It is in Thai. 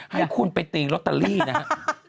ให้คุณไปตีลอตเตอรี่นะครับ